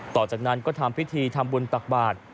ต่อจากนั้นก็ทำพิธีทำบุญตักบาท